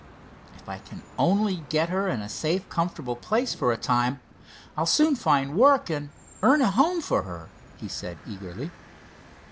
If I can only get her in a safe, comfortable place for a time, I'll soon find work, and earn a home for her," he said eagerly.